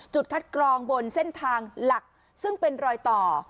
จุดคัดกรองบนเส้นทางหลักซึ่งเป็นรอยต่อ